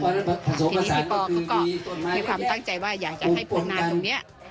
ทีนี้พี่ปอเขาก็มีความตั้งใจว่าอยากจะให้ปวงนานตรงนี้